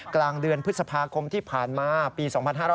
กลางเดือนพฤษภาคมที่ผ่านมาปี๒๕๕๙